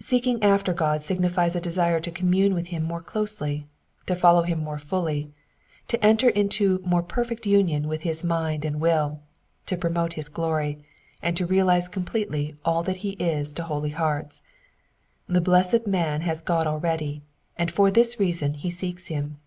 Seeking after God signifies a desire to commune with him more closely, to follow him more fully, to enter into more perfect union with his mind and will, to promote his glory, and to realize completely all that he is to holy hearts. The blessed man has God already, and for this reason he seeks him.